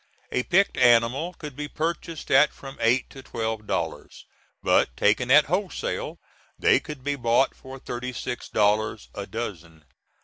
A picked animal could be purchased at from eight to twelve dollars, but taken at wholesale, they could be bought for thirty six dollars a dozen.